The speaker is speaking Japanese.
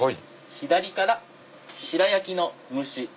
左から白焼きの蒸し。